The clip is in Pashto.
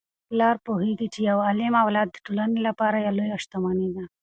پلار پوهیږي چي یو عالم اولاد د ټولنې لپاره لویه شتمني ده.